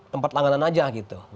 tempat langganan aja gitu